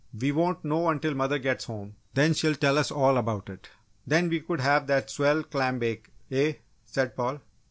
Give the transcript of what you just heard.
"We won't know until mother gets home, then she'll tell us all about it." "Then we could have that swell clam bake, eh?" said Paul.